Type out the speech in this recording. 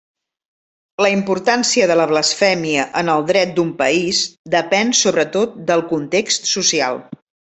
La importància de la blasfèmia en el dret d'un país depèn sobretot del context social.